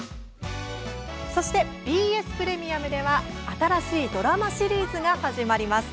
そして、ＢＳプレミアムでは新しいドラマシリーズが始まります。